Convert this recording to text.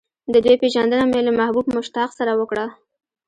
د دوی پېژندنه مې له محبوب مشتاق سره وکړه.